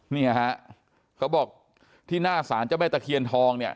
เนี่ยฮะเขาบอกที่หน้าสารเจ้าแม่ตะเคียนทองเนี่ย